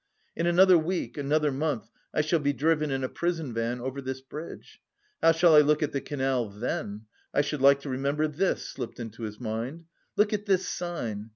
"In another week, another month I shall be driven in a prison van over this bridge, how shall I look at the canal then? I should like to remember this!" slipped into his mind. "Look at this sign!